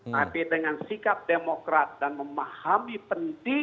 tapi dengan sikap demokrat dan memahami pentingnya